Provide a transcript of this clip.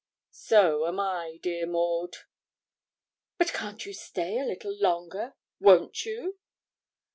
'So am I, dear Maud.' 'But can't you stay a little longer; won't you?'